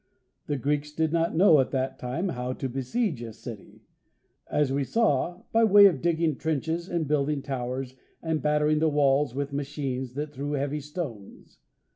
The Greeks did not know at that time how to besiege a city, as we saw, by way of digging trenches and building towers, and battering the walls with machines that threw heavy stones.